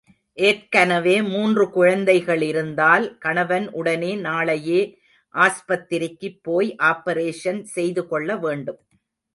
ஏற்கனவே மூன்று குழந்தைகளிருந்தால் கணவன் உடனே நாளையே ஆஸ்பத்திரிக்குப் போய் ஆப்பரேஷன் செய்து கொள்ள வேண்டும்.